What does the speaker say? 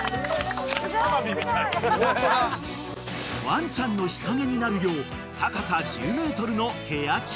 ［ワンちゃんの日陰になるよう高さ１０ｍのケヤキを植樹］